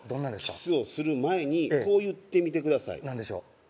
キスをする前にこう言ってみてください何でしょう？